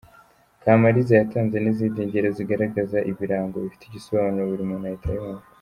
Kamaliza yatanze n’izindi ngero zigaragaza ibirango bifite igisobanuro buri muntu ahita yumva.